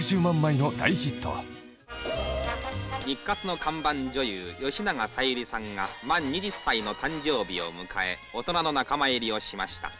日活の看板女優吉永小百合さんが満２０歳の誕生日を迎え大人の仲間入りをしました。